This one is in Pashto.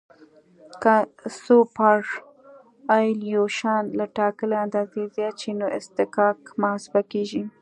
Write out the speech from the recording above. که سوپرایلیویشن له ټاکلې اندازې زیات شي نو اصطکاک محاسبه کیږي